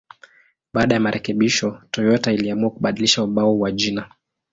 Baada ya marekebisho, Toyota iliamua kubadilisha ubao wa jina.